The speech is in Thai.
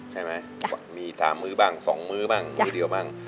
ใช่ไหมมี๓มื้อบ้าง๒มื้อบ้างมื้อเดียวบ้าง